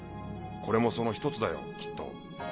これもその１つだよきっと。